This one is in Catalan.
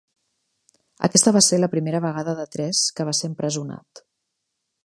Aquesta va ser la primera vegada de tres que va estar empresonat.